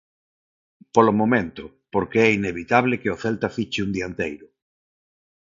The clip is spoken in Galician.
Polo momento, porque é inevitable que o Celta fiche un dianteiro.